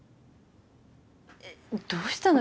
えっどうしたの？